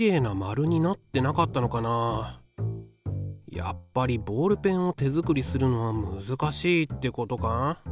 やっぱりボールペンを手作りするのは難しいってことか？